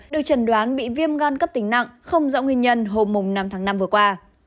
được chẩn đoán bị viêm gan cấp tính nặng không rõ nguyên nhân hôm năm tháng năm vừa qua